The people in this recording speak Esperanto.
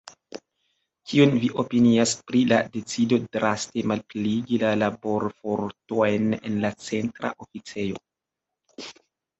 Kion vi opinias pri la decido draste malpliigi la laborfortojn en la Centra Oficejo?